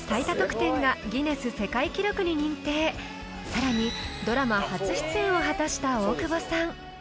［さらにドラマ初出演を果たした大久保さん］